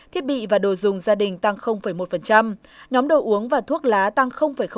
thiết bị và đồ dùng gia đình tăng một nhóm đồ uống và thuốc lá tăng